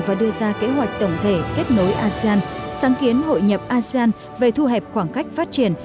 và đưa ra kế hoạch tổng thể kết nối asean sáng kiến hội nhập asean về thu hẹp khoảng cách phát triển